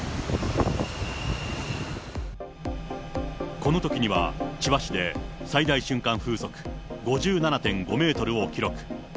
このときには千葉市で最大瞬間風速５７．５メートルを記録。